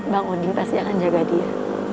bangun jelas jangan jaga dia